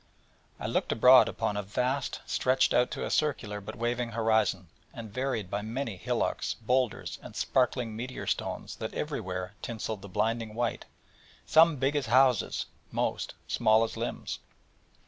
I looked abroad upon a vast plain, stretched out to a circular, but waving horizon, and varied by many hillocks, boulders, and sparkling meteor stones that everywhere tinselled the blinding white, some big as houses, most small as limbs.